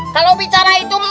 kalau bicara itu